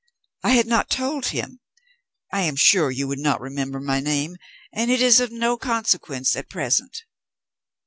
"I had not told him. I am sure you would not remember my name, and it is of no consequence at present."